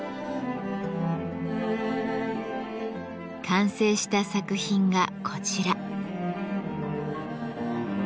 完成した作品がこちら。